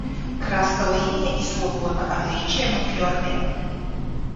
Krasta līnija izrobota ar līčiem un fjordiem.